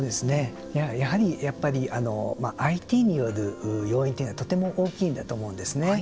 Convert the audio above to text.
やはり、ＩＴによる要因というのがとても大きいんだと思うんですね。